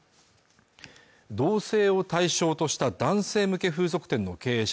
同性を対象とした男性向け風俗店の経営者